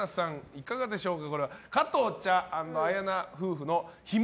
いかがでしょうか？